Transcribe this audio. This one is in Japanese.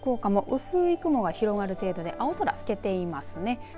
福岡も薄い雲が広がる程度で青空が透けていますね。